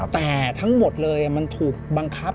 แต่ทั้งหมดเลยมันถูกบังคับ